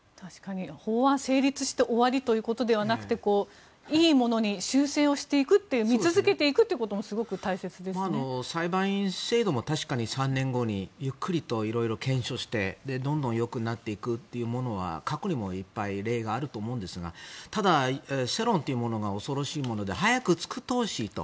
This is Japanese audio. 法案成立して終わりということではなくていいものに修正をしていく見続けていくということが裁判員制度も確かに３年後にゆっくりといろいろ検証してどんどん良くなっていくものは過去にもいっぱい例があると思うんですがただ世論というものは恐ろしいもので早く作ってほしいと。